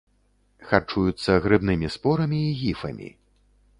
Харчуюцца грыбнымі спорамі і гіфамі.